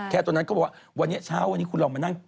ตอนนั้นเขาบอกว่าวันนี้เช้าวันนี้คุณลองมานั่ง